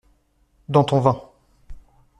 Dans ton vin.